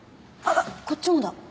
あっこっちもだ。